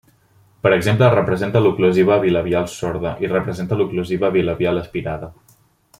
Per exemple representa l'oclusiva bilabial sorda, i representa l'oclusiva bilabial aspirada.